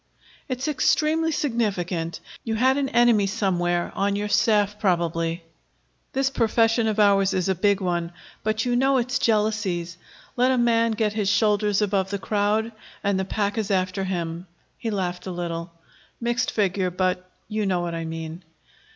"It's extremely significant. You had an enemy somewhere on your staff, probably. This profession of ours is a big one, but you know its jealousies. Let a man get his shoulders above the crowd, and the pack is after him." He laughed a little. "Mixed figure, but you know what I mean."